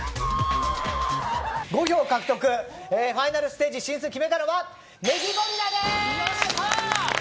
５票獲得、ファイナルステージ進出決めたのはネギゴリラです！